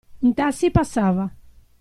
Un tassi passava.